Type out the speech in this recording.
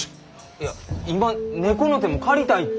いや今「猫の手も借りたい」って！